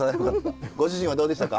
ご主人はどうでしたか？